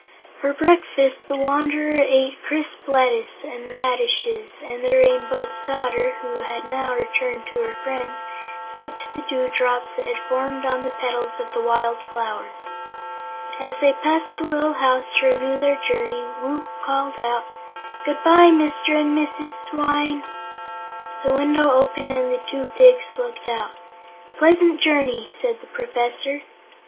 For breakfast the Wanderer ate crisp lettuce and radishes, and the Rainbow's Daughter, who had now returned to her friends, sipped the dewdrops that had formed on the petals of the wild flowers. As they passed the little house to renew their journey, Woot called out: "Good bye, Mr. and Mrs. Swyne!" The window opened and the two pigs looked out. "A pleasant journey," said the Professor.